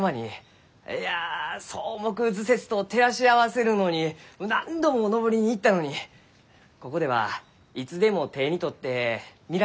いや「草木図説」と照らし合わせるのに何度も登りに行ったのにここではいつでも手に取って見られるがですね。